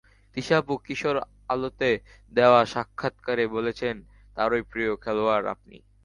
তিশা আপু কিশোর আলোতে দেওয়া সাক্ষাত্কারে বলেছেন, তাঁরও প্রিয় খেলোয়াড় আপনি।